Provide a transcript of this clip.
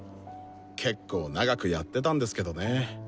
けっこう長くやってたんですけどね。